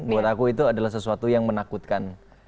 buat aku itu adalah sesuatu yang menakutkan